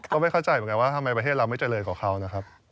ก็ไม่เข้าใจเหมือนกันว่าทำไมประเทศเราไม่เจริญกว่าเขานะครับ